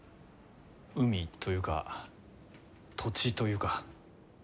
海というか土地というか。